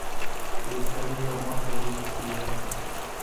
یو سړي یو مار په ژمي کې پیدا کړ.